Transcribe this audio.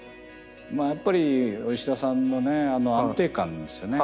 やっぱり吉田さんの安定感ですよね。